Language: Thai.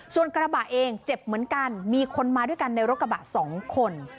ส่วนกระบะเองเจ็บเหมือนกันมีคนมาด้วยกันในรถกระบะ๒คน